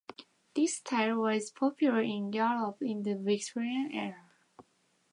This style was popular in Europe in the Victorian era.